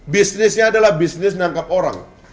bisnisnya adalah bisnis menangkap orang